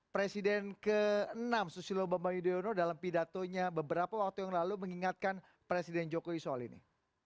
presiden ke enam susilo bambang yudhoyono dalam pidatonya beberapa waktu yang lalu mengingatkan presiden jokowi soal ini